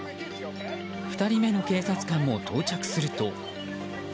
２人目の警察官も到着すると。